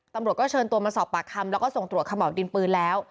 ตำรวจก็เชิญตัวมาสอบปากคำแล้วก็ส่งตรวจขม่าวดินปืนแล้ว